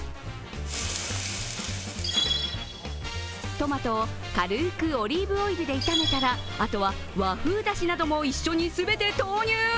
トマトを軽くオリーブオイルで炒めたらあとは和風だしなども一緒に全て投入。